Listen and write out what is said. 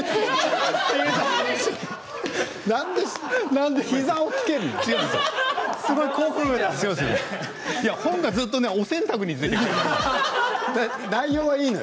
なんで膝をつけるの？